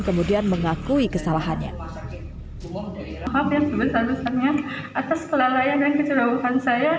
kemudian mengakui kesalahannya maaf yang sebetulnya atas kelalaian dan kecelakaan saya